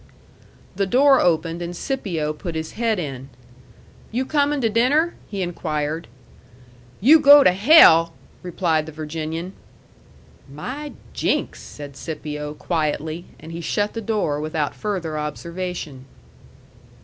The door opened, and Scipio put his head in. "You coming to dinner?" he inquired. "You go to hell," replied the Virginian. "My jinks!" said Scipio, quietly, and he shut the door without further observation.